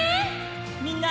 みんな！